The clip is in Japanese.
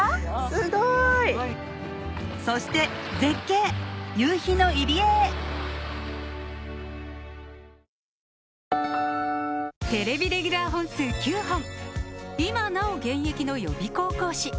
すごい！そして絶景夕陽の入り江へテレビレギュラー本数９本今なお現役の予備校講師